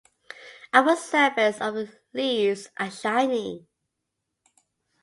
The upper surface of the leaves are shiny.